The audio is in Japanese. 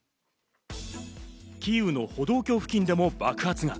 キーウの歩道橋付近でも爆発が。